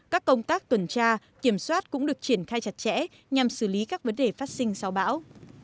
các công tác tuần tra kiểm soát cũng được triển khai chặt chẽ nhằm xử lý các vấn đề phát sinh sau bão